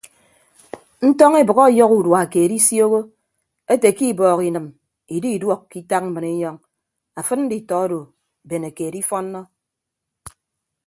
Ntọñ ebʌk ọyọhọ udua keed isioho ete ke ibọọk inịm ididuọk ke itak mbrinyọñ afịd nditọ odo bene keed ifọnnọ.